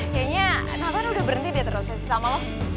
kayaknya napan udah berhenti diaterosasi sama lo